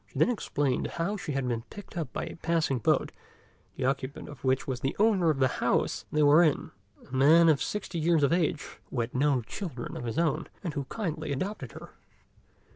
She then explained how she had been picked up by a passing boat, the occupant of which was the owner of the house they were in, a man of sixty years of age, who had no children of his own, and who kindly adopted her.